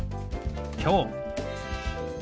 「きょう」。